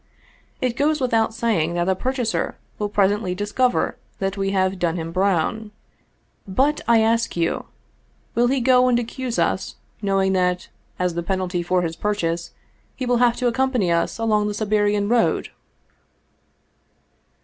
It goes without saying that the purchaser will presently discover that we have done him brown. But, I ask you, will he go and accuse us knowing that, as the penalty for his purchase, he will have to accompany us along the Sibe rian road?"